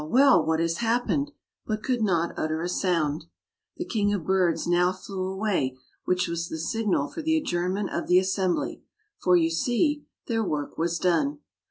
well! what has happened," but could not utter a sound. The king of birds now flew away, which was the signal for the adjournment of the assembly, for, you see, their work was done.